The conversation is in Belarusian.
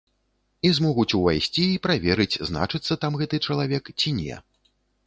І змогуць увайсці і праверыць, значыцца там гэты чалавек ці не.